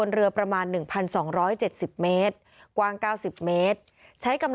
ในเวลาเดิมคือ๑๕นาทีครับ